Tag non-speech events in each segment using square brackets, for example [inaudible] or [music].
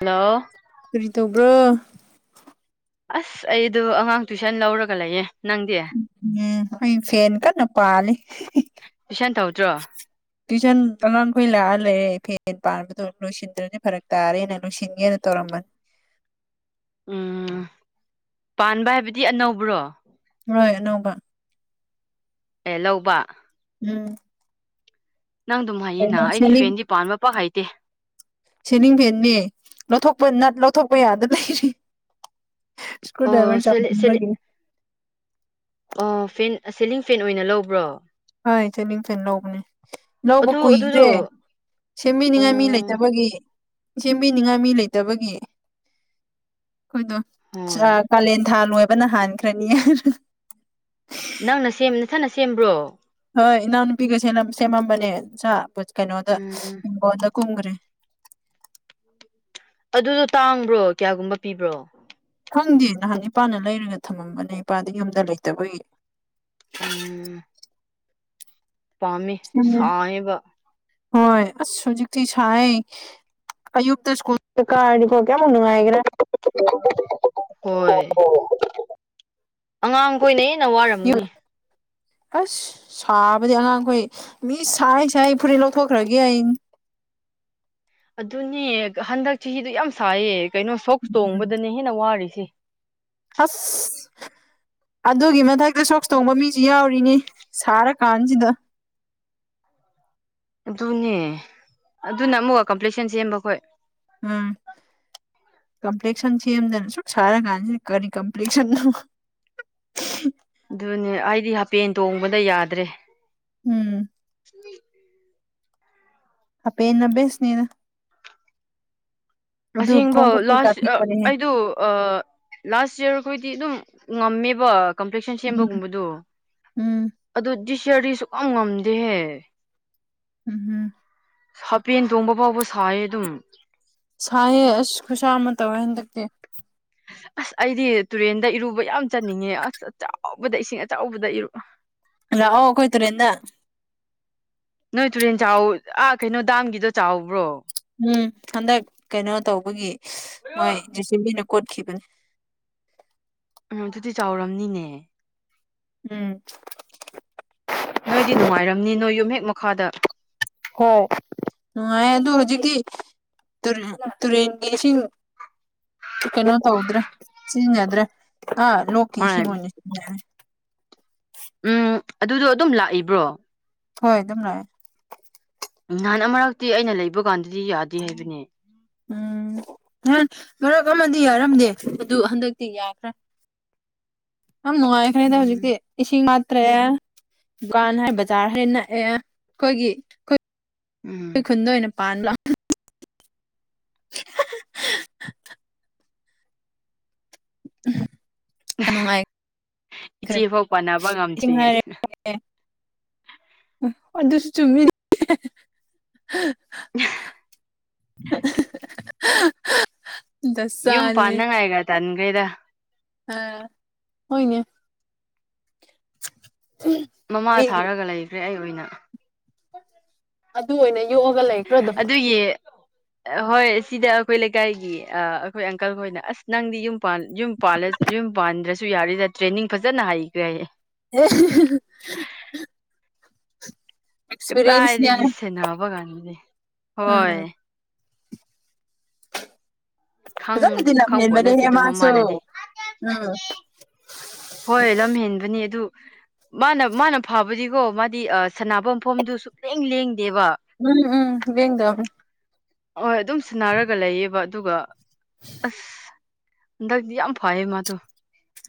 Hello ꯀꯔꯤꯇꯧꯕ꯭ꯔꯣ ꯑꯁ ꯑꯩꯗꯣ ꯑꯉꯥꯡ ꯇꯨꯏꯁꯟ ꯂꯧꯔꯒ ꯂꯩꯌꯦ ꯅꯪꯗꯤ ꯑꯩꯈꯣꯏ ꯐꯦꯟ ꯀꯟꯅ ꯄꯥꯜꯂꯤ꯫ ꯇꯨꯏꯁꯟ ꯇꯧꯗ꯭ꯔꯣ ꯇ꯭ꯏꯁꯟ ꯑꯉꯥꯡꯈꯣꯏ ꯂꯥꯛꯑ ꯂꯩꯔꯦ ꯐꯦꯟ ꯄꯥꯟꯕꯗꯣ ꯂꯣꯏꯁꯤꯟꯗ꯭ꯔꯗꯤ ꯐꯔꯛ ꯇꯥꯔꯦꯅ ꯂꯣꯏꯁꯤꯟꯒꯦꯅ ꯇꯧꯔꯝꯕꯅꯦ꯫ ꯎꯝ ꯄꯥꯟꯕ ꯍꯥꯏꯕꯗꯤ ꯑꯅꯧꯕ꯭ꯔꯣ ꯍꯣꯏ ꯑꯅꯧꯕ ꯑꯦ ꯂꯧꯕ ꯎꯝ ꯅꯪꯗꯨꯝ ꯀꯩꯅꯣ ꯍꯥꯏꯌꯦꯅ ꯑꯩꯗꯤ ꯁꯤꯂꯤꯡ ꯐ꯭ꯦꯟꯗꯤ ꯄꯥꯟꯕ ꯄꯥꯛ ꯍꯥꯏꯇꯦ꯫ ꯁꯦꯅꯤꯡ ꯐꯦꯟꯅꯦ ꯂꯧꯊꯣꯛꯄ ꯅꯠ ꯂꯧꯊꯣꯛꯄ ꯌꯥꯗ ꯂꯩꯔꯤ ꯏꯁꯀ꯭ꯔꯨ ꯑꯣ ꯗ꯭ꯔꯥꯏꯚꯔ ꯁꯦꯂꯤ ꯁꯦꯂꯤ ꯆꯧꯃꯟꯕꯒꯤ꯫ ꯑꯣ ꯐꯦꯟ ꯁꯦꯂꯤꯡ ꯐꯦꯟ ꯑꯣꯏꯅ ꯂꯧꯕ꯭ꯔꯣ ꯍꯣꯏ ꯆꯠꯅꯤꯡ ꯐꯦꯟ ꯂꯧꯕꯅꯦ ꯂꯧꯕ ꯑꯗꯨ ꯑꯗꯨꯗꯣ ꯀꯨꯏꯈ꯭ꯔꯦ ꯑꯣ ꯁꯦꯝꯕꯤꯅꯤꯡꯉꯥꯏ ꯃꯤ ꯂꯩꯇꯕꯒꯤ ꯁꯦꯝꯕꯤꯅꯤꯡꯉꯥꯏ ꯃꯤ ꯂꯩꯇꯕꯒꯤ ꯈꯣꯏꯗꯣ ꯍꯣꯏ ꯀꯥꯂꯦꯟ ꯊꯥ ꯂꯣꯏꯕꯅ ꯍꯥꯟꯈ꯭ꯔꯅꯤ ꯅꯪꯅ ꯁꯦꯝ ꯅꯊꯟꯅ ꯁꯦꯝꯕ꯭ꯔꯣ ꯍꯣꯏ ꯏꯅꯥꯎꯅꯨꯄꯤꯒ ꯁꯦꯝꯃꯝꯕꯅꯦ ꯀꯩꯅꯣꯗ ꯎꯝ ꯍꯤꯡꯒꯣꯟꯗ ꯀꯨꯝꯒ꯭ꯔꯤ ꯑꯗꯨꯗꯣ ꯇꯥꯡꯕ꯭ꯔꯣ ꯀꯌꯥꯒꯨꯝꯕ ꯄꯤꯕ꯭ꯔꯣ ꯈꯪꯗꯦ ꯅꯍꯥꯟ ꯏꯄꯥꯅ ꯂꯩꯔꯒ ꯊꯝꯃꯝꯕꯅꯦ ꯏꯄꯥꯗ ꯌꯨꯝꯗ ꯂꯩꯇꯕꯒꯤ ꯎꯝ ꯄꯥꯝꯃꯤ ꯁꯦꯝꯃꯦ ꯁꯥꯏ ꯌꯦꯕꯥ ꯍꯣꯏ ꯑꯁ ꯍꯧꯖꯤꯛꯇꯤ ꯁꯥꯏ ꯑꯌꯨꯛꯇ ꯁꯀꯨꯜꯒ ꯀꯥꯔꯗꯤꯀꯣ ꯀꯌꯥꯃꯨꯛ ꯅꯨꯡꯉꯔꯅꯤ ꯍꯣꯏ ꯑꯉꯥꯡꯈꯣꯏꯅ ꯍꯦꯟꯅ ꯌꯨꯝ ꯋꯥꯔꯝꯒꯅꯤ ꯑꯁ ꯁꯥꯕꯗꯤ ꯑꯉꯥꯡꯈꯣꯏ ꯃꯤ ꯁꯥꯏ ꯁꯥꯏ ꯐꯨꯔꯤꯠ ꯂꯧꯊꯣꯛꯈ꯭ꯔꯒꯦ ꯑꯩ ꯑꯗꯨꯅꯦ ꯍꯟꯗꯛ ꯆꯍꯤꯗꯨ ꯌꯥꯝ ꯁꯥꯏꯌꯦ ꯀꯩꯅꯣ ꯁꯣꯛꯁ ꯇꯣꯡꯕꯗꯅ ꯍꯦꯟꯅ ꯋꯥꯔꯤꯁꯦ ꯑꯁ ꯑꯗꯨꯒꯤ ꯃꯊꯛꯇ ꯁꯣꯛꯁ ꯇꯣꯡꯕ ꯃꯤꯁꯨ ꯌꯥꯎꯔꯤꯅꯤ ꯁꯥꯔꯀꯥꯟꯁꯤꯗ ꯑꯗꯨꯅꯦ ꯑꯗꯨꯅ ꯃꯨ ꯀꯝꯄ꯭ꯂꯦꯛꯁꯟ ꯁꯦꯝꯕ ꯈꯣꯏ ꯎꯝ ꯀꯝꯄ꯭ꯂꯦꯛꯁꯟ ꯁꯦꯝꯗꯅ ꯁꯨꯛ ꯁꯥꯔꯀꯥꯟꯁꯤ ꯀꯔꯤ ꯀꯝꯄ꯭ꯂꯦꯛꯁꯟꯅꯣ ꯑꯗꯨꯅꯦ ꯑꯩꯗꯤ ꯍꯥꯄꯦꯟ ꯇꯣꯡꯕꯗ ꯌꯥꯗ꯭ꯔꯦ ꯎꯝ ꯍꯥꯄꯦꯟꯅꯕꯦꯁꯅꯤꯅ ꯑꯗꯨ ꯑꯁꯦꯡꯕ ꯈꯣꯡ ꯈꯨꯠꯇꯤꯒ ꯂꯥꯁ ꯇꯦꯛꯄꯅꯦꯍꯦ ꯑꯩꯗ ꯂꯥꯁ ꯏꯌꯥꯔ ꯑꯩꯈꯣꯏꯗꯤ ꯑꯗꯨꯝ ꯉꯝꯃꯦꯕ ꯀꯝꯄ꯭ꯂꯦꯛꯁꯟ ꯎꯝ ꯁꯦꯝꯕꯒꯨꯝꯕꯗꯣ ꯎꯝ ꯑꯗꯨ ꯗꯤꯁ ꯏꯌ꯭ꯔꯗꯤ ꯁꯨꯛꯀꯝ ꯉꯝꯗꯦꯍꯦ ꯎꯝ ꯍꯝ ꯍꯥꯄꯦꯟ ꯇꯣꯡꯕ ꯐꯥꯎꯕ ꯁꯥꯏ ꯑꯗꯨꯝ ꯁꯥꯏꯍꯦ ꯑꯁ ꯈꯨꯠꯁꯥ ꯑꯃ ꯇꯧꯋꯦ ꯍꯟꯗꯛꯇꯤ ꯑꯁ ꯑꯩꯗꯤ ꯇꯨꯔꯦꯟꯗ ꯏꯔꯨꯕ ꯌꯥꯝ ꯆꯟꯅꯤꯡꯉꯦ ꯑꯁ ꯑꯆꯥꯎꯕꯗ ꯏꯁꯤꯡ ꯑꯆꯧꯕꯗ ꯏꯔꯨ ꯂꯥꯑꯣ ꯑꯈꯣꯏ ꯇꯨꯔꯦꯟꯗ ꯅꯣꯏ ꯇꯨꯔꯦꯟ ꯆꯥꯎ ꯑꯥ ꯀꯩꯅꯣ ꯗꯥꯝꯒꯤꯗꯣ ꯆꯥꯎꯕ꯭ꯔꯣ ꯎꯝ ꯍꯟꯗꯛ ꯀꯩꯅꯣ ꯇꯧꯕꯒꯤ ꯃꯣꯏ ꯖꯦꯁꯤꯕꯤꯅ ꯀꯣꯠꯈꯤꯕꯅꯦ ꯎꯝ ꯑꯗꯨꯗꯤ ꯆꯥꯎꯔꯝꯅꯤꯅꯦ ꯎꯝ ꯅꯣꯏꯗꯤ ꯅꯨꯡꯉꯥꯏꯔꯝꯅꯤ ꯅꯣꯏ ꯌꯨꯝ ꯍꯦꯛ ꯃꯈꯥꯗ ꯍꯣꯏ ꯅꯨꯡꯉꯥꯏ ꯑꯗꯨ ꯍꯧꯖꯤꯛꯇꯤ ꯇꯨꯔ ꯇꯨꯔꯦꯟꯒꯤ ꯏꯁꯤꯡ ꯀꯩꯅꯣ ꯇꯧꯗ꯭ꯔꯦ ꯁꯤꯖꯤꯟꯅꯗ꯭ꯔꯦ ꯑꯥ ꯂꯣꯛꯀꯤ ꯍꯣꯏ ꯏꯁꯤꯡ ꯑꯣꯏꯅ ꯁꯤꯖꯤꯟꯅꯔꯦ ꯎꯝ ꯑꯗꯨꯗꯣ ꯑꯗꯨꯝ ꯂꯥꯛꯏꯕ꯭ꯔꯣ ꯍꯣꯏ ꯑꯗꯨꯝ ꯂꯥꯛꯑꯦ ꯅꯍꯥꯟ ꯃꯔꯛꯇꯤ ꯑꯩꯅ ꯂꯩꯕ ꯀꯥꯟꯗꯗꯤ ꯌꯥꯗꯦ ꯍꯥꯏꯕꯅꯦ ꯎꯝ ꯅꯍꯥꯟ ꯃꯔꯛ ꯑꯃꯗꯤ ꯌꯥꯔꯝꯗꯦ ꯑꯗꯨ ꯍꯟꯗꯛꯇꯤ ꯌꯥꯈ꯭ꯔꯦ ꯑꯝ ꯅꯨꯡꯉꯥꯏꯈ꯭ꯔꯦꯗ ꯎꯝ ꯍꯧꯖꯤꯛꯇꯤ ꯏꯁꯤꯡ ꯋꯥꯠꯇ꯭ꯔꯦ ꯗꯨꯀꯥꯟ ꯍꯥꯏ ꯕꯖꯥꯔ ꯍꯥꯏ ꯅꯛꯑꯦ ꯑꯩꯈꯣꯏꯒꯤ ꯈꯣꯏ ꯎꯝ ꯈꯨꯟꯗꯅ ꯑꯣꯏꯅ ꯄꯥꯟꯂꯣ [unintelligible] ꯌꯥꯝ ꯅꯨꯡꯉꯥꯏꯈ꯭ꯔꯦ ꯏꯆꯦꯐꯥꯎ ꯄꯥꯟꯅꯕ ꯏꯁꯤꯡ ꯉꯝꯗ꯭ꯔꯤꯉꯩ ꯍꯥꯏꯔꯦ ꯑꯦ ꯑꯗꯨꯁꯨ ꯆꯨꯝꯃꯤꯅꯤ [unintelligible] ꯌꯨꯝ ꯗꯁꯥꯅꯤꯍꯦ ꯄꯥꯟꯅꯉꯥꯏꯒ ꯇꯥꯟꯈ꯭ꯔꯦꯗ ꯑ ꯍꯣꯏꯅꯦ ꯎꯝ ꯃꯃꯥ ꯁꯥꯔꯒ ꯂꯩꯈ꯭ꯔꯦ ꯑꯩ ꯑꯣꯏꯅ ꯑꯗꯨ ꯑꯣꯏꯅ ꯌꯣꯛꯑꯒ ꯂꯩꯈ꯭ꯔꯣ ꯗꯨꯝ ꯄꯦ ꯍꯣꯏ ꯁꯤꯗ ꯑꯩꯈꯣꯏ ꯂꯩꯀꯥꯏꯒꯤ ꯑꯩꯈꯣꯏ ꯑꯪꯀꯜ ꯍꯣꯏꯅ ꯑꯁ ꯅꯪꯗꯤ ꯌꯨꯝ ꯄꯥꯟ ꯌꯨꯝ ꯄꯥꯜꯂ ꯌꯨꯝ ꯄꯥꯟꯗ꯭ꯔꯁꯨ ꯌꯥꯔꯦꯗ ꯇ꯭ꯔꯦꯅꯤꯡ ꯐꯖꯅ ꯍꯩꯈ꯭ꯔꯦ ꯍꯥꯏꯌꯦ ꯑꯦ [unintelligible] ꯑꯦꯛꯁꯄꯤꯔꯤꯌꯦꯟꯁꯅꯦ ꯀꯗꯥꯏꯗꯒꯤ ꯁꯦꯟꯅꯕ ꯀꯥꯟꯗꯗꯤ ꯎꯝ ꯍꯣꯏ ꯈꯪ ꯐꯗꯤꯅ ꯈꯪꯄꯣꯠ ꯃꯅꯦ ꯅꯠꯇꯦ ꯑꯗꯨ ꯍꯦꯃꯁꯨ ꯃꯃꯥꯅꯗꯤ ꯎꯝ ꯍꯣꯏ ꯂꯝ ꯍꯦꯟꯕꯅꯤ ꯑꯗꯨ ꯃꯥꯅ ꯃꯥꯅ ꯐꯕꯗꯤꯀꯣ ꯃꯥꯗꯤ ꯁꯅꯥꯐꯝ ꯃꯐꯝꯗꯨ ꯁꯨꯛꯂꯦꯡ ꯂꯦꯡꯗꯦꯕ ꯎꯝ ꯎꯝ ꯌꯦꯉꯝ ꯍꯣꯏ ꯑꯗꯨꯝ ꯁꯟꯅꯔꯒ ꯂꯩꯌꯦꯕ ꯑꯗꯨꯒ ꯑꯁ ꯍꯟꯗꯛꯗꯤ ꯌꯥꯝ ꯐꯌꯦ ꯃꯥꯗꯨ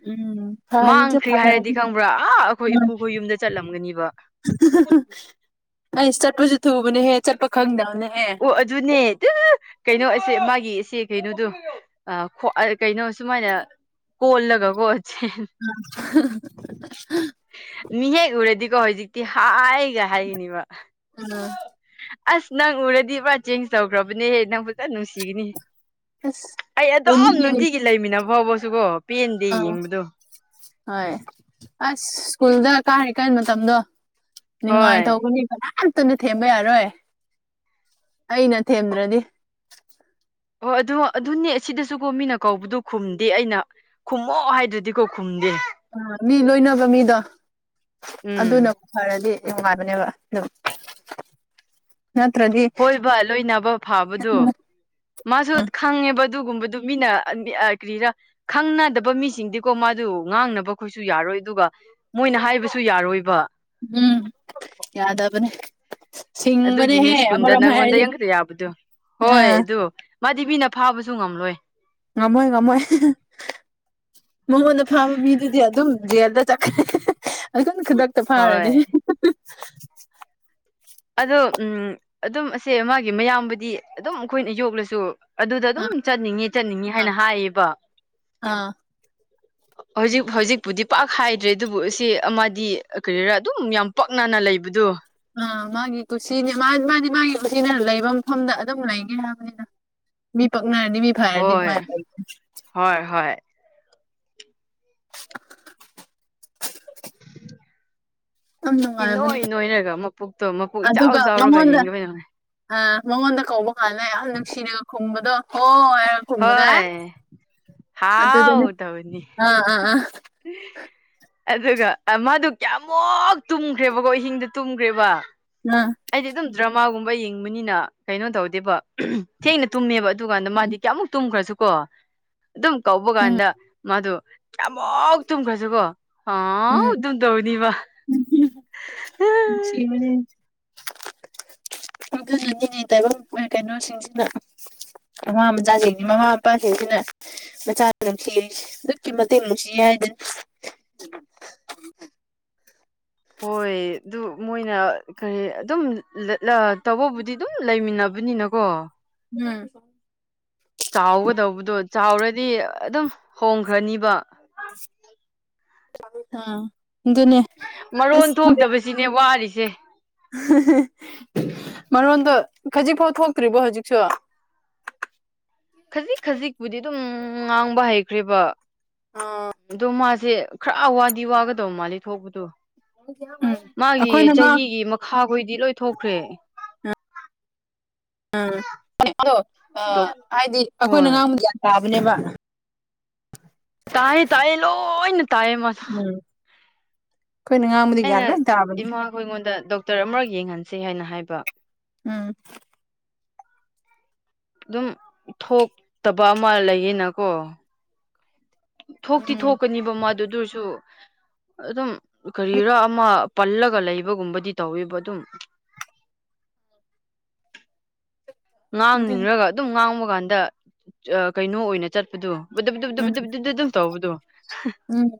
ꯎꯝ ꯐꯔꯤꯁꯦ ꯃꯥꯡꯈ꯭ꯔꯤ ꯍꯥꯏꯔꯗꯤ ꯐꯔꯕꯅꯦ ꯈꯪꯕ꯭ꯔꯥ ꯑꯥ ꯑꯩꯈꯣꯏ ꯎꯝ ꯏꯄꯨꯈꯣꯏ ꯌꯨꯝꯗ ꯆꯠꯂꯝꯒꯅꯤꯕ ꯑꯩ ꯆꯠꯄꯁꯨ ꯊꯨꯕꯅꯦꯍꯦ ꯆꯠꯄ ꯈꯪꯗꯕꯅꯦꯍꯦ ꯑꯣ ꯑꯗꯨꯅꯦ ꯀꯩꯅꯣ ꯑꯁꯦ ꯃꯥꯒꯤ ꯏꯆꯦ ꯀꯩꯅꯣꯗꯣ ꯑ ꯀꯩꯅꯣ ꯁꯨꯃꯥꯏꯅ ꯀꯣꯜꯂꯒꯀꯣ ꯆ ꯎꯝ ꯃꯤꯍꯦꯛ ꯎꯔꯗꯤꯀꯣ ꯍꯧꯖꯤꯛꯇꯤ ꯍꯥꯏꯒ ꯍꯥꯏꯈꯤꯅꯦꯕ ꯑꯥ ꯑꯁ ꯅꯪ ꯎꯔꯗꯤ ꯄꯨꯥ ꯆꯦꯟꯖ ꯇꯧꯈ꯭ꯔꯕꯅꯦꯍꯦ ꯅꯪ ꯐꯖꯅ ꯅꯨꯡꯁꯤꯒꯅꯤ ꯑꯁ ꯑꯩ ꯑꯗꯨꯝ ꯎꯅꯤꯡꯉꯤꯅꯦ ꯅꯨꯡꯇꯤꯒꯤ ꯂꯩꯃꯤꯟꯅꯕ ꯐꯥꯎꯕꯁꯨꯀꯣ ꯄꯦꯟꯗꯦ ꯑꯥ ꯌꯦꯡꯕꯗꯣ ꯍꯣꯏ ꯑꯁ ꯁ꯭ꯀꯨꯜꯗ ꯀꯥꯔꯤ ꯀꯥꯟ ꯃꯇꯝꯗꯣ ꯅꯨꯡꯉꯥꯏ ꯍꯣꯏ ꯇꯧꯕꯅꯤ ꯀꯅꯥꯝꯇꯨꯅ ꯊꯦꯝꯕ ꯌꯥꯔꯣꯏ ꯑꯩꯅ ꯊꯦꯝꯗ꯭ꯔꯗꯤ ꯍꯣꯏ ꯑꯗꯨꯣ ꯑꯗꯨꯅꯦ ꯁꯤꯗꯁꯨꯀꯣ ꯃꯤꯅ ꯀꯧꯕꯗꯨ ꯈꯨꯝꯗꯦ ꯑꯩꯅ ꯈꯨꯝꯃꯛꯑꯣ ꯍꯥꯏꯗ꯭ꯔꯗꯤꯀꯣ ꯈꯨꯝꯗꯦ ꯑ ꯃꯤ ꯂꯣꯏꯅꯕ ꯃꯤꯗꯣ ꯎꯝ ꯑꯗꯨꯅ ꯐꯔꯗꯤ ꯑꯩ ꯅꯨꯡꯉꯥꯏꯕꯅꯦꯕ ꯑꯗꯨꯝ ꯅꯠꯇ꯭ꯔꯗꯤ ꯍꯣꯏꯕ ꯂꯣꯏꯅꯕ ꯐꯥꯕꯗꯣ ꯃꯥꯁꯨ ꯈꯪꯉꯦꯕ ꯑꯗꯨꯒꯨꯝꯕꯗꯨ ꯃꯤꯅ ꯀ꯭ꯔꯤꯔꯥ ꯈꯪꯅꯗꯕ ꯃꯤꯁꯤꯡꯗꯤꯀꯣ ꯃꯥꯗꯨ ꯉꯥꯡꯅꯕꯈꯣꯏꯁꯨ ꯌꯥꯔꯣꯏ ꯑꯗꯨꯒ ꯃꯣꯏꯅ ꯍꯥꯏꯕꯁꯨ ꯌꯥꯔꯣꯏꯕ ꯎꯝ ꯌꯥꯗꯕꯅꯦ ꯑꯗꯨꯒꯤꯅꯦ ꯁꯤꯡꯕꯅꯦꯍꯦ ꯁ꯭ꯀꯨꯜꯗ ꯑꯃꯔꯣꯝ ꯅꯪꯉꯣꯟꯗ ꯍꯥꯏꯔꯗꯤ ꯌꯥꯝ ꯈꯛꯇ ꯌꯥꯕꯗꯣ ꯍꯣꯏ ꯑꯥ ꯑꯗꯨ ꯃꯥꯗꯤꯕꯤꯅ ꯐꯥꯕꯁꯨ ꯉꯝꯂꯣꯏ ꯉꯃꯣꯏ ꯉꯃꯣꯏ ꯃꯉꯣꯟꯗ ꯐꯥꯕ ꯃꯤꯗꯨꯗꯤ ꯑꯗꯨꯝ ꯖꯦꯜꯗ ꯆꯠꯈ ꯑꯗꯨꯝ ꯈꯨꯗꯛꯇ ꯍꯣꯏ ꯐꯥꯔꯅꯤ ꯑꯗꯣ ꯎ ꯑꯗꯨꯝ ꯑꯁꯦ ꯃꯥꯒꯤ ꯃꯌꯥꯝꯕꯨꯗꯤ ꯑꯗꯨꯝ ꯑꯩꯈꯣꯏꯅ ꯌꯣꯛꯂꯁꯨ ꯑꯗꯨꯗ ꯑꯗꯨꯝ ꯆꯠꯅꯤꯡꯉ ꯆꯠꯅꯤꯡꯉ ꯍꯥꯏꯅ ꯍꯥꯏꯌꯦꯕ ꯑꯥ ꯍꯧꯖꯤꯛ ꯍꯧꯖꯤꯛꯄꯨꯗꯤ ꯄꯥꯛ ꯍꯥꯏꯗ꯭ꯔꯦ ꯑꯗꯨꯕꯨ ꯑꯁꯤ ꯑꯃꯗꯤ ꯀꯔꯤꯔꯥ ꯑꯗꯨꯝ ꯌꯥꯝ ꯄꯥꯛꯅꯅ ꯂꯩꯕꯗꯣ ꯑꯥ ꯃꯥꯒꯤ ꯀꯨꯁꯤꯅꯦ ꯃꯥ ꯃꯥꯗꯤ ꯃꯥꯒꯤ ꯀꯨꯁꯤꯅ ꯂꯩꯕ ꯃꯐꯝꯗ ꯑꯗꯨꯝ ꯂꯩꯒꯦ ꯍꯥꯏꯕꯅꯤꯅ ꯃꯤ ꯄꯛꯅꯅꯤ ꯃꯤ ꯐꯥꯏꯔꯗꯤ ꯍꯣꯏ ꯍꯣꯏ ꯍꯣꯏ ꯌꯥꯝ ꯏ ꯅꯨꯡꯉꯥꯏꯕꯅꯦ ꯅꯣꯏ ꯅꯣꯏꯔꯒ ꯃꯄꯨꯇꯣ ꯃꯄꯨꯣꯛ ꯏꯆꯥꯎ ꯑꯗꯨꯒ ꯆꯥꯎꯔꯒ ꯃꯉꯣꯟꯗ ꯌꯦꯡꯈꯤꯕꯅꯣꯅꯦ ꯑ ꯃꯉꯣꯟꯗ ꯀꯧꯕ ꯀꯥꯟꯂ ꯌꯥꯝ ꯅꯨꯡꯁꯤꯔꯒ ꯈꯨꯝꯕꯗꯣ ꯍꯣꯏ ꯀꯃꯗ ꯍꯣꯏ ꯑꯗꯨꯗ ꯍꯥꯎ ꯇꯧꯅꯤ ꯑꯥ ꯑ ꯑꯗꯨꯒ ꯃꯥꯗꯨ ꯀꯌꯥꯃꯨꯛ ꯇꯨꯝꯈ꯭ꯔꯦꯕꯀꯣ ꯑꯍꯤꯡꯗ ꯇꯨꯝꯈ꯭ꯔꯦꯕ ꯑ ꯑꯩꯗꯤ ꯑꯗꯨꯝ ꯗ꯭ꯔꯃꯥꯒꯨꯝꯕ ꯌꯦꯡꯕꯅꯤꯅ ꯀꯩꯅꯣ ꯇꯧꯗꯦꯕ ꯊꯦꯡꯅ ꯇꯨꯝꯃꯦꯕ ꯑꯗꯨꯀꯥꯟꯗ ꯎꯝ ꯃꯥꯗꯤ ꯀꯌꯥꯃꯨꯛ ꯇꯨꯝꯈ꯭ꯔꯁꯨꯀꯣ ꯑꯗꯨꯝ ꯀꯧꯕ ꯎꯝ ꯀꯥꯟꯗ ꯃꯥꯗꯣ ꯌꯥꯝꯃꯛ ꯇꯨꯝꯈ꯭ꯔꯁꯨ ꯀꯣ ꯑꯥ ꯑꯣꯗꯝ ꯇꯧꯅꯤ ꯋꯥ ꯑ° ꯑꯗꯨꯒꯤꯅꯤꯅꯦ ꯇꯥꯏꯕꯪ ꯀꯩꯅꯣꯁꯤꯡꯁꯤꯅ ꯑꯉꯥꯡ ꯃꯆꯥꯁꯤꯡꯁꯤ ꯃꯃꯥ ꯃꯄꯥꯁꯤꯡꯁꯤꯅ ꯃꯆꯥ ꯅꯨꯡꯁꯤ ꯑꯗꯨꯛꯀꯤ ꯃꯇꯤꯛ ꯅꯨꯡꯁꯤ ꯍꯥꯏꯗꯅ ꯍꯣꯏ ꯑꯗꯨ ꯃꯣꯏꯅ ꯀꯔꯤ ꯑꯗꯨꯝ ꯇꯧꯕꯕꯨꯗꯤ ꯑꯗꯨꯝ ꯂꯩꯃꯤꯟꯅꯕꯅꯤꯅꯀꯣ ꯎꯝ ꯆꯥꯎꯒꯗꯧꯕꯗꯣ ꯆꯥꯎꯔꯗꯤ ꯑꯗꯨꯝ ꯍꯣꯡꯈ꯭ꯔꯅꯤꯕ [unintelligible] ꯑꯗꯨꯅꯦ ꯃꯔꯣꯟ ꯑꯁ ꯈꯪꯗꯦ ꯊꯣꯛꯇꯕꯁꯤꯅꯦ ꯋꯥꯔꯤꯁꯦ ꯃꯔꯣꯟꯗꯣ ꯈꯖꯤꯛꯐꯥꯎ ꯊꯣꯛꯇ꯭ꯔꯤꯕꯣ ꯍꯧꯖꯤꯛꯁꯨ ꯈꯖꯤꯛ ꯈꯖꯤꯛꯄꯨꯗꯤ ꯑꯗꯨꯝ ꯉꯥꯡꯕ ꯍꯩꯈ꯭ꯔꯦꯕ ꯑꯥ ꯑꯗꯣ ꯃꯥꯁꯦ ꯈꯔ ꯋꯥꯗꯤ ꯋꯥꯒꯗꯧꯕ ꯃꯥꯜꯂꯤ ꯊꯣꯛꯄꯗꯣ ꯎꯝ ꯃꯥꯒꯤ ꯑꯩꯈꯣꯏꯅ ꯉꯥꯡ ꯆꯍꯤꯒꯤ ꯃꯈꯥꯈꯣꯏꯗꯤ ꯂꯣꯏ ꯊꯣꯛꯈ꯭ꯔꯦ ꯎꯝ ꯑꯗꯣ ꯗꯣ ꯍꯥꯏꯗꯤ ꯑꯩꯈꯣꯏꯅ ꯍꯣꯏ ꯉꯥꯡꯕ ꯒ꯭ꯌꯥꯟ ꯇꯥꯕꯅꯦꯕ ꯇꯥꯏꯑꯦ ꯇꯥꯏꯑꯦ ꯂꯣꯏꯅ ꯇꯥꯏꯌꯦ ꯃꯥꯁꯨ ꯎꯝ ꯑꯩꯈꯣꯏꯅ ꯉꯥꯡ ꯑꯩꯅ ꯏꯃꯥꯈꯣꯏꯉꯣꯟꯗ ꯗꯣꯛꯇꯔ ꯑꯃꯔꯛ ꯌꯦꯡꯍꯟꯁꯦ ꯍꯥꯏꯅ ꯍꯥꯏꯕ ꯎꯝ ꯑꯗꯨꯝ ꯊꯣꯛꯇꯕ ꯑꯃ ꯂꯩꯌꯦꯅꯀꯣ ꯊꯣꯛꯇꯤ ꯎꯝ ꯊꯣꯛꯀꯅꯤꯕ ꯃꯥꯗꯨ ꯑꯗꯨꯑꯣꯏꯁꯨ ꯑꯗꯨꯝ ꯀꯔꯤꯔꯥ ꯑꯃ ꯄꯜꯂꯒ ꯂꯩꯕꯒꯨꯝꯕꯗꯤ ꯇꯧꯋꯦꯕ ꯑꯗꯨꯝ ꯑꯗꯨꯅꯤ ꯉꯥꯡꯅꯤꯡꯔꯒ ꯑꯗꯨꯝ ꯉꯥꯡꯕ ꯀꯥꯟꯗ ꯀꯩꯅꯣ ꯑꯣꯏꯅ ꯆꯠꯄꯗꯨ ꯎꯝ [unintelligible] ꯑꯗꯨꯝ ꯇꯧꯕꯗꯨ ꯎꯝ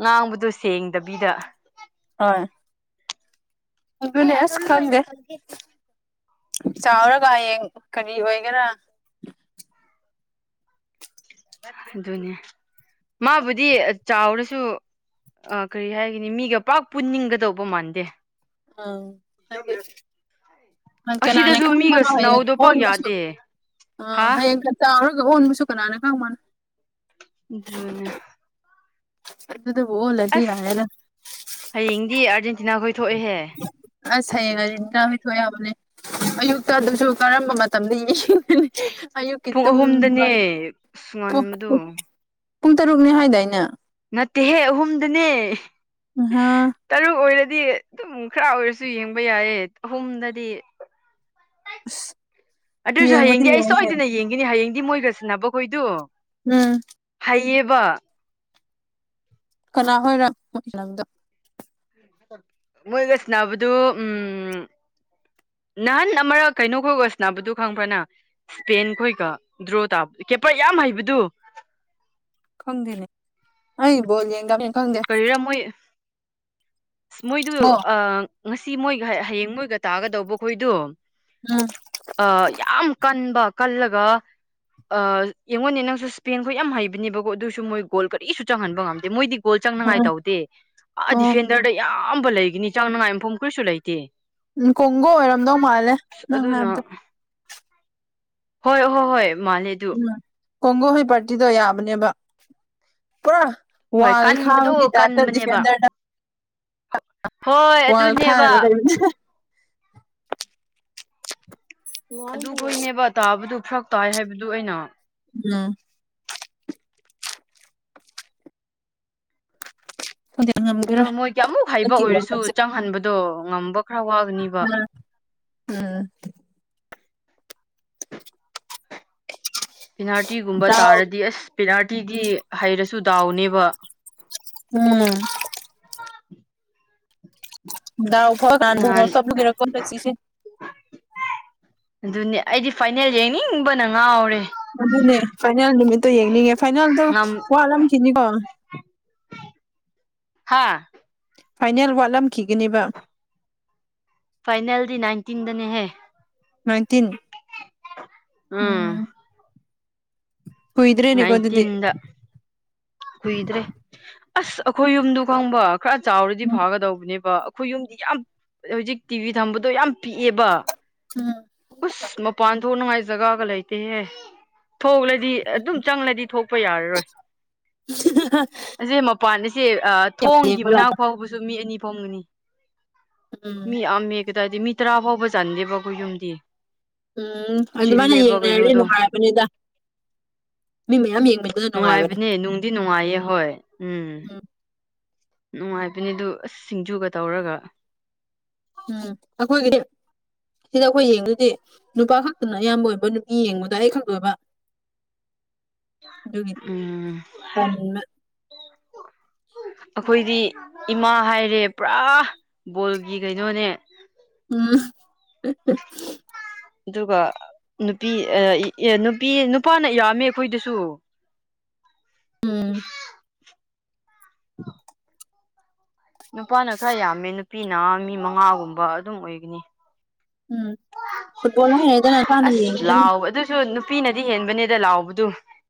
ꯉꯥꯡꯕꯗꯣ ꯁꯦꯡꯗꯕꯤꯗ ꯑꯣꯏ ꯑꯗꯨꯅꯦ ꯑꯁ ꯈꯪꯗꯦ ꯆꯥꯎꯔꯒ ꯍꯌꯦꯡ ꯀꯔꯤ ꯑꯣꯏꯒꯦꯔꯥ ꯑꯗꯨꯅꯦ ꯃꯥꯕꯨꯗꯤ ꯆꯥꯎꯔꯁꯨ ꯑ ꯀꯔꯤ ꯍꯥꯏꯒꯅꯤ ꯃꯤꯒ ꯄꯥꯛ ꯄꯨꯟꯅꯤꯡꯒꯗꯧꯕ ꯃꯥꯟꯗꯦ ꯑ ꯍꯥꯏꯗꯤ ꯀꯅꯥꯅ ꯑꯁꯤꯗꯁꯨ ꯃꯤꯒ ꯈꯪꯕꯅꯣ ꯍꯌꯦꯡ ꯁꯅꯥꯎꯗꯣ ꯄꯥꯛ ꯍꯣꯟꯕꯁꯨ ꯌꯥꯗꯦ ꯑ ꯍꯥ ꯍꯌꯦꯡ [unintelligible] ꯇꯥꯎꯔꯒ ꯑꯣꯟꯕꯁꯨ ꯀꯅꯥꯅ ꯈꯪꯕꯟ ꯑꯗꯨꯅꯦ ꯑꯗꯨꯗꯕꯨ ꯑꯣꯜꯂꯗꯤ ꯑꯁ ꯌꯥꯔꯦꯗ ꯍꯌꯦꯡꯗꯤ ꯑꯥꯔꯖꯦꯟꯇꯤꯅꯥꯈꯣꯏ ꯊꯣꯛꯑꯦꯍꯦ ꯑꯁ ꯍꯌꯦꯡ ꯑꯔꯖꯦꯟꯇꯤꯅꯥ ꯍꯣꯌ ꯊꯣꯛ ꯑꯦ ꯍꯥꯏꯕꯅꯦ ꯑꯌꯨꯛꯇ ꯑꯗꯨꯁꯨ ꯀꯔꯝꯕ ꯃꯇꯝꯗ ꯌꯦꯡꯒꯅꯤ ꯑꯌꯨꯛꯀꯤ ꯄꯨꯡ ꯇꯨꯝꯕ ꯑꯍꯨꯝꯗꯅꯦ ꯑꯁ ꯉꯟꯕꯗꯨ ꯄꯨꯡ ꯇꯔꯨꯛꯅꯤ ꯍꯥꯏꯗꯥꯏꯅꯦ ꯅꯠꯇꯦꯍꯦ ꯑꯍꯨꯝꯗꯅꯦ ꯑꯍꯥ ꯇꯔꯨꯛ ꯑꯣꯏꯔꯗꯤ ꯑꯗꯨꯝ ꯈꯔ ꯑꯣꯏꯔꯁꯨ ꯌꯦꯡꯕ ꯌꯥꯏꯌꯦ ꯑꯍꯨꯝꯗꯗꯤ ꯑꯗꯨꯁꯨ ꯌꯦꯡꯕꯗꯤ ꯍꯌꯦꯡꯗꯤ ꯑꯩ ꯌꯦꯡꯉꯦ ꯁꯣꯏꯗꯅ ꯌꯦꯡꯒꯅꯤ ꯍꯌꯦꯡꯗꯤ ꯃꯣꯏꯒ ꯁꯅꯕꯈꯣꯏꯗꯣ ꯎꯝ ꯍꯩꯌꯦꯕ ꯀꯅꯥ ꯍꯣꯏꯔ ꯂꯝꯗꯣ ꯃꯣꯏꯒ ꯁꯅꯕꯗꯨ ꯎꯝ ꯅꯍꯥꯟ ꯑꯃꯔꯛ ꯀꯩꯅꯣꯈꯣꯏꯒ ꯁꯥꯟꯅꯕꯗꯨ ꯈꯪꯕ꯭ꯔ ꯅꯪ ꯏꯁꯄꯦꯟ ꯈꯣꯏꯒ ꯗ꯭ꯔꯣ ꯇꯥꯕ ꯀꯦꯄꯔ ꯌꯥꯝ ꯍꯩꯕꯗꯨ ꯈꯪꯗꯦꯅꯦ ꯑꯩ ꯕꯣꯜ ꯌꯦꯡꯗꯝꯅꯤ ꯀꯔꯤꯌꯔ ꯃꯣꯏ ꯃꯣꯏꯗꯨ ꯑꯣ ꯑꯥ ꯉꯁꯤ ꯃꯣꯏꯒ ꯍꯌꯦꯡ ꯃꯣꯏꯒ ꯇꯥꯒꯗꯧꯕ ꯈꯣꯏꯗꯣ ꯎꯝ ꯑ ꯌꯥꯝ ꯀꯟꯕ ꯀꯜꯂꯒ ꯌꯦꯡꯉꯣꯟꯅꯦ ꯅꯪꯁꯨ ꯁ꯭ꯄꯦꯟꯈ ꯌꯥꯝ ꯍꯩꯕꯅꯦꯕꯀꯣ ꯑꯗꯨꯁꯨ ꯃꯣꯏ ꯒꯣꯜ ꯀꯔꯤꯁꯨ ꯆꯪꯍꯟꯕ ꯉꯝꯗꯦ ꯃꯣꯏꯗꯤ ꯒꯣꯜ ꯆꯪꯅꯉꯥꯏ ꯎꯝ ꯇꯧꯗꯦ ꯑ ꯑꯣ ꯗꯤꯐꯦꯟꯗꯔꯗ ꯑꯌꯥꯝꯕ ꯂꯩꯒꯅꯤ ꯆꯪꯅꯉꯥꯏ ꯃꯐꯝ ꯀꯔꯤꯁꯨ ꯂꯩꯇꯦ ꯀꯣꯡꯒ ꯑꯣꯏꯔꯝꯗꯧ ꯃꯥꯜꯂꯦ ꯑꯁ ꯅꯪ ꯑꯗꯨꯅ ꯍꯥꯏꯕꯗꯣ ꯍꯣꯏ ꯍꯣꯏ ꯍꯣꯏ ꯃꯥꯅꯦ ꯀꯣꯡꯒꯣ ꯍꯣꯏ ꯄꯥꯔꯇꯤꯗꯣ ꯌꯥꯕꯅꯦꯕ ꯄꯨꯔꯥ ꯍꯣꯏ ꯋꯥꯜ ꯀꯟꯕꯗꯣ ꯈꯥꯕꯒꯤ ꯇꯥꯏꯞꯇ ꯀꯟꯕꯅꯦꯕ ꯗꯤꯐꯦꯟꯗꯔꯗ ꯍꯣꯏ ꯀꯉꯜ ꯈꯥ ꯑꯗꯨꯅꯦꯕ ꯀ ꯑꯗꯨꯈꯣꯏꯅꯦꯕ ꯇꯥꯕꯗꯨ ꯐꯔꯛ ꯇꯥꯏ ꯍꯥꯏꯕꯗꯨ ꯑꯩꯅ ꯎꯝ ꯈꯪꯗꯦ ꯑꯗꯣ ꯉꯝꯒꯦꯔꯣꯏ ꯃꯣꯏꯒꯤꯌꯥꯃꯨꯛ ꯍꯥꯏꯕ ꯍꯟꯗꯛꯀꯤ ꯋꯥꯔꯜ ꯑꯣꯏꯔꯁꯨ ꯀꯞꯁꯦ ꯆꯪꯍꯟꯕꯗꯣ ꯉꯝꯕ ꯈꯔ ꯋꯥꯒꯅꯤꯕ ꯎꯝ ꯎꯝ ꯄꯦꯅꯥꯜꯇꯤꯒꯨꯝꯕ ꯗꯥꯎ ꯇꯥꯔꯗꯤ ꯑꯁ ꯄꯦꯅꯥꯜꯇꯤꯗꯤ ꯍꯩꯔꯁꯨ ꯗꯥꯎꯅꯦꯕ ꯎꯝ ꯗꯥꯎ ꯐ ꯀꯥꯟ ꯃ ꯅꯍꯥꯟ ꯁꯒꯔ ꯀꯣꯟꯁꯤꯁꯦ ꯑꯗꯨꯅꯦ ꯑꯩꯗꯤ ꯐꯥꯏꯅꯦꯜ ꯌꯦꯡꯅꯤꯡꯕꯅ ꯉꯥꯎꯔꯦ ꯑꯗꯨꯅꯦ ꯐꯥꯏꯅꯦꯜ ꯅꯨꯃꯤꯠꯇꯣ ꯌꯦꯡꯅꯤꯡꯉꯦ ꯐꯥꯏꯅꯥꯜꯗꯣ ꯋꯥꯠꯂꯝꯈꯤꯅꯤꯀꯣ ꯍꯥꯥ ꯐꯥꯏꯅꯦꯜ ꯋꯥꯠꯂꯝꯈꯤꯒꯅꯦꯕ ꯐꯥꯏꯅꯦꯜꯗꯤ ꯅꯥꯏꯟꯇꯤꯟꯗꯅꯦꯍꯦ ꯃꯏꯟꯇꯤꯟ ꯎꯝ ꯀꯣꯏꯗ꯭ꯔꯦꯅꯤꯒꯣꯟꯗꯤ ꯅꯥꯏꯟꯇꯤꯟꯗ ꯀꯨꯏꯗ꯭ꯔꯦ ꯑꯁ ꯑꯩꯈꯣꯏ ꯌꯨꯝꯗꯨ ꯈꯪꯕ ꯈꯔ ꯆꯥꯎꯔꯗꯤ ꯎꯝ ꯐꯒꯗꯧꯕꯅꯦ ꯑꯩꯈꯣꯏ ꯌꯨꯝꯗꯤ ꯌꯥꯝ ꯍꯧꯖꯤꯛ ꯇꯤꯚꯤ ꯊꯝꯕꯗꯣ ꯌꯥꯝ ꯄꯤꯛꯑꯦꯕ ꯎꯝ ꯎꯁ ꯃꯄꯥꯟ ꯊꯣꯛꯅꯉꯥꯏ ꯖꯒꯥꯒ ꯂꯩꯇꯦꯍꯦ ꯊꯣꯛꯂꯗꯤ ꯑꯗꯨꯝ ꯎꯝ ꯆꯪꯂꯗꯤ ꯊꯣꯛꯄ ꯌꯥꯔꯔꯣꯏ [unintelligible] ꯑꯁꯤꯁꯦ ꯃꯄꯥꯟ ꯑꯁꯦ ꯌꯥꯝ ꯊꯣꯡꯒꯤ ꯌꯦꯡꯕ ꯃꯅꯥꯛ ꯂꯥꯛꯄ ꯐꯥꯎꯕꯁꯨ ꯃꯤ ꯑꯅꯤ ꯐꯥꯎꯒꯅꯤ ꯎꯝ ꯃꯤ ꯑꯃꯦ ꯀꯗꯥꯏꯗꯤ ꯃꯤ ꯇꯔꯥ ꯐꯥꯎꯕ ꯆꯍꯟꯗꯦꯕꯀꯣ ꯌꯨꯝꯗꯤ ꯎꯝ ꯑꯗꯨ ꯃꯥꯅ ꯆꯤꯜꯂꯦꯕ ꯌꯦꯡꯅꯔꯁꯦ ꯀꯩꯅꯣꯗꯣ ꯅꯨꯡꯉꯥꯏꯔꯕꯅꯤꯗ ꯃꯤ ꯃꯌꯥꯝ ꯌꯦꯡꯕꯤꯕꯗ ꯅꯨꯡꯉꯥꯏꯕꯅꯦ ꯅꯨꯡꯗꯤ ꯅꯨꯡꯉꯥꯏꯌꯦ ꯍꯣꯏ ꯎꯝ ꯅꯨꯡꯉꯥꯏꯕꯅꯤ ꯑꯗꯨ ꯑꯁ ꯁꯤꯡꯖꯨꯒ ꯇꯧꯔꯒ ꯎꯝ ꯍꯗꯤꯦ ꯁꯤꯗ ꯑꯩꯈꯣꯏ ꯌꯦꯡꯗꯗꯤ ꯅꯨꯄꯥ ꯈꯛꯇꯅ ꯑꯌꯥꯝꯕ ꯑꯣꯏꯕ ꯅꯨꯄꯤ ꯌꯦꯡꯕꯗ ꯑꯩ ꯈꯛꯇ ꯑꯣꯏꯕ [unintelligible] ꯎꯝ ꯑꯅꯤ ꯑꯩꯈꯣꯏꯗꯤ ꯏꯃꯥ ꯍꯥꯏꯔꯦ ꯄꯨꯔꯥ ꯕꯣꯜꯒꯤ ꯀꯩꯅꯣꯅꯦ ꯎꯝ ꯑꯗꯨꯒ ꯅꯨꯄꯤ ꯅꯨꯄꯤ ꯅꯨꯄꯥꯅ ꯌꯥꯝꯃꯦ ꯑꯩꯈꯣꯏꯗꯁꯨ ꯎꯝ ꯅꯨꯄꯥꯅ ꯈꯔ ꯌꯥꯝꯃꯦ ꯅꯨꯄꯤꯅ ꯃꯤ ꯃꯉꯥꯒꯨꯝꯕ ꯑꯗꯨꯝ ꯑꯣꯏꯒꯅꯤ ꯎꯝ ꯐꯨꯠꯕꯣꯜ ꯍꯥꯏꯔꯦꯗꯅ ꯅꯨꯄꯥꯅ ꯑꯁ ꯌꯦꯡꯕꯅꯤ ꯂꯥꯎ ꯑꯗꯨꯁꯨ ꯅꯨꯄꯤꯅꯗꯤ ꯍꯦꯟꯕꯅꯦꯗ ꯂꯥꯎꯕꯗꯨ